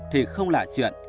thì không lạ chuyện